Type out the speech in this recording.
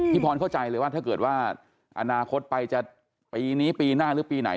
พรเข้าใจเลยว่าถ้าเกิดว่าอนาคตไปจะปีนี้ปีหน้าหรือปีไหน